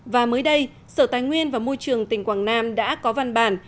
và mới đây sở tài nguyên và môi trường tỉnh quảng nam đã có văn bản